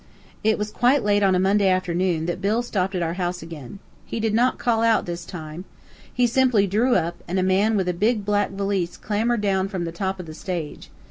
It was quite late on a Monday afternoon that Bill stopped at our house again. He did not call out this time. He simply drew up, and a man with a big black valise clambered down from the top of the stage.